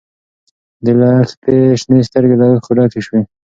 د لښتې شنې سترګې له اوښکو ډکې شوې.